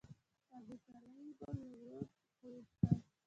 ستا بی پروایي می لړمون خوړین کړی